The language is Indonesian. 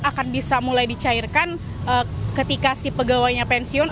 akan bisa mulai dicairkan ketika si pegawainya pensiun